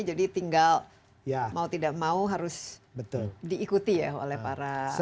jadi tinggal mau tidak mau harus diikuti ya oleh para menteri menterinya